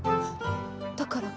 だからか！